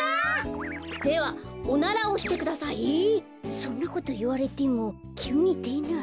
そんなこといわれてもきゅうにでない。